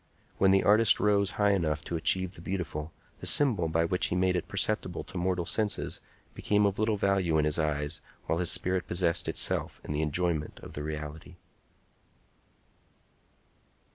When the artist rose high enough to achieve the beautiful, the symbol by which he made it perceptible to mortal senses became of little value in his eyes while his spirit possessed itself in the enjoyment of the reality.